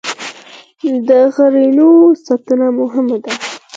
د غرونو ساتنه مهمه ده.